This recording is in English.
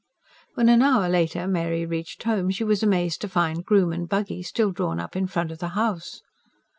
When an hour later Mary reached home, she was amazed to find groom and buggy still drawn up in front of the house.